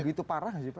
sebegitu parah sih pak